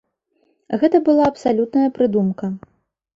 Гэта была абсалютная прыдумка.